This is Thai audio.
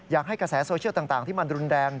กระแสโซเชียลต่างที่มันรุนแรง